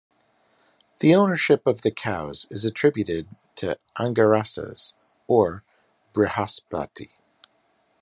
The ownership of the cows is attributed to "Angirasa"s or Brihaspati.